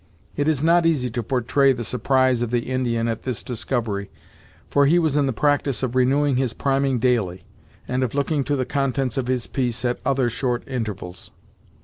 It is not easy to portray the surprise of the Indian at this discovery, for he was in the practice of renewing his priming daily, and of looking to the contents of his piece at other short intervals.